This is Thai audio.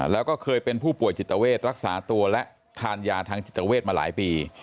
แล้วก็เคยเป็นผู้ป่วยจิตเวทรักษาตัวและทานยาทางจิตเวทมาหลายปี